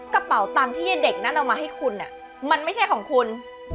กระเป๋าตังค์ที่เด็กนั้นเอามาให้คุณมันไม่ใช่ของคุณ